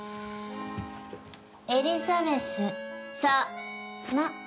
エリザベスさま。